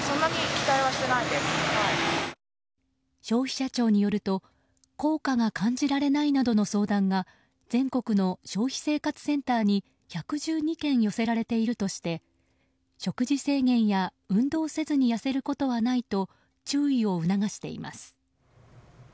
消費者庁によると効果が感じられないなどの相談が全国の消費生活センターに１１２件寄せられているとして食事制限や運動せずに痩せることはないと注意を促しています。